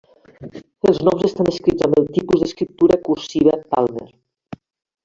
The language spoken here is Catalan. Els noms estan escrits amb el tipus d'escriptura cursiva Palmer.